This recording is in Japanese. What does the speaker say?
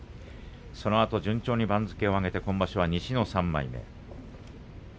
そのあと順調に番付を上げて今場所は西の３枚目。